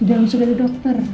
di dalam sudah ada dokter